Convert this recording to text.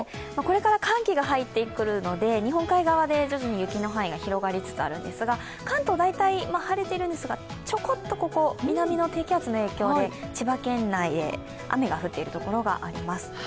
これから寒気が入ってくるので、日本海側で徐々に雪の範囲が広がりつつあるんですが、関東は大体、晴れているんですが、ちょこっと南の低気圧の影響で千葉県内で雨が降っている所があります。